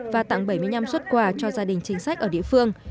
và tặng bảy mươi năm xuất quà cho gia đình chính sách ở địa phương